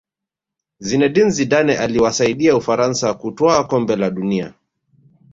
zinedine zidane aliwasaidia ufaransa kutwaa kombe la dunia